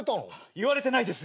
言われてないです。